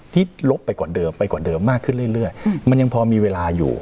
ลบไปกว่าเดิมไปกว่าเดิมมากขึ้นเรื่อยมันยังพอมีเวลาอยู่